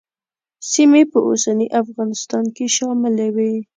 سیمې په اوسني افغانستان کې شاملې وې.